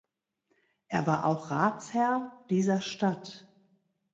Er war auch Ratsherr dieser Stadt.